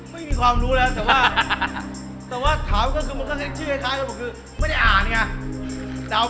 ไม่มีความรู้แล้วแต่ว่า